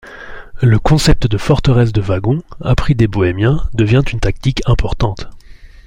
Le concept de forteresse de wagons, appris des Bohémiens, devient une tactique importante.